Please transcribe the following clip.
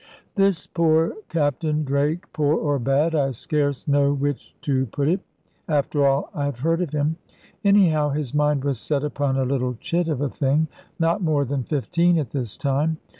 "This poor Captain Drake poor or bad, I scarce know which to put it, after all I have heard of him anyhow his mind was set upon a little chit of a thing, not more than fifteen at this time.